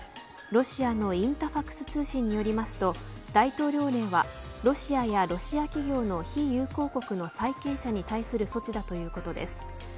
ロシアのインタファクス通信よりますと大統領令はロシアやロシア企業の非友好国の債権者に対する措置だということです。